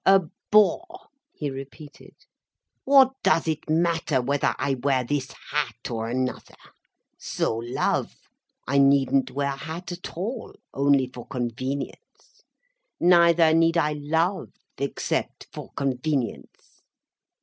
"A bore," he repeated. "What does it matter whether I wear this hat or another. So love. I needn't wear a hat at all, only for convenience. Neither need I love except for convenience.